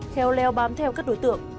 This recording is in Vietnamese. kheo leo bám theo các đối tượng